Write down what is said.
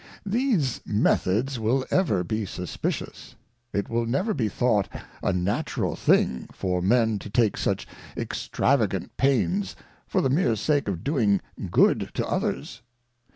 These Methods wiU ever be suspicious ; it will never be thought a Natural thing for Men to take such extravagant pains for the meer sake of doing good to others.